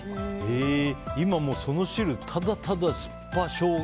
今もうその汁ただただ、すっぱショウガ。